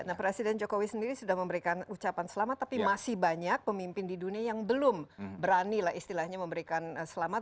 nah presiden jokowi sendiri sudah memberikan ucapan selamat tapi masih banyak pemimpin di dunia yang belum berani lah istilahnya memberikan selamat